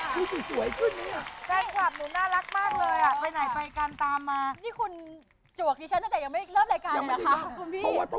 เชียร์ที่คำพร้อม